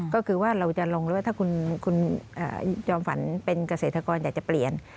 ก็คือว่าเราจะลงหรือว่าถ้าคุณจอมฝันเป็นเกษตรกรอยากจะเปลี่ยน